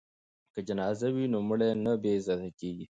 که جنازه وي نو مړی نه بې عزته کیږي.